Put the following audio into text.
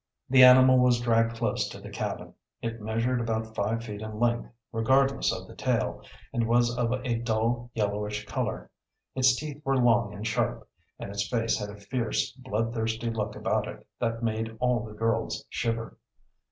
The animal was dragged close to the cabin. It measured about five feet in length, regardless of the tail, and was of a dull yellowish color. Its teeth were long and sharp, and its face had a fierce, blood thirsty look about it that made all the girls shiver.